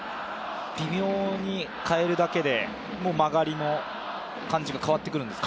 微妙に変えるだけで曲がりの感じが変わってくるんですか？